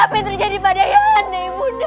apa yang terjadi pada ayah anda